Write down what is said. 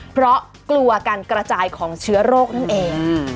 เพราะกลัวการกระจายของเชื้อโรคนั่นเอง